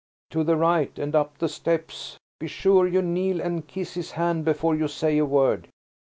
"To the right and up the steps. Be sure you kneel and kiss his hand before you say a word."